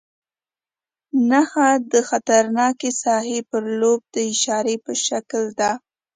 نښه د خطرناکې ساحې پر لور د اشارې په شکل ده.